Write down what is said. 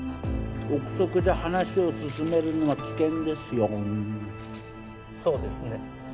臆測で話を進めるのは危険ですよんそうですね